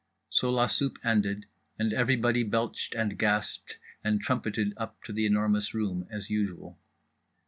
So la soupe ended, and everybody belched and gasped and trumpeted up to The Enormous Room as usual.